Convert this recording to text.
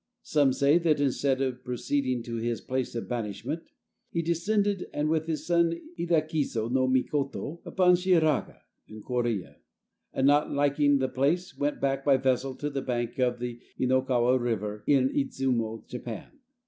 Some say that, instead of proceeding to his place of banishment, he descended, with his son Idakiso no Mikoto, upon Shiraga (in Corea), but not liking the place went back by a vessel to the bank of the Hinokawa River, in Idzumo, Japan.